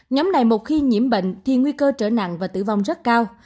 nhóm này một khi nhiễm bệnh thì nguy cơ trở nặng và tử vong rất cao